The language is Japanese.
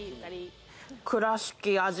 倉敷味